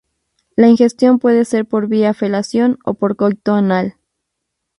La ingestión puede ser por vía felación o por coito anal.